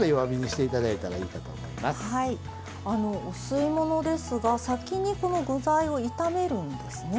あのお吸い物ですが先にこの具材を炒めるんですね。